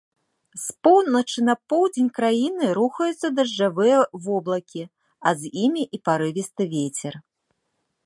З поўначы на поўдзень краіны рухаюцца дажджавыя воблакі, а з імі і парывісты вецер.